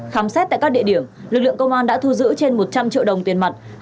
khám xét tại các địa điểm lực lượng công an đã thu giữ trên một trăm linh triệu đồng tiền mặt